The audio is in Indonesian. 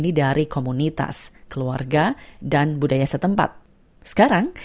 dr darren kopin menjelaskan berikut ini